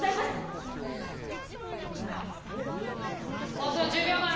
放送１０秒前。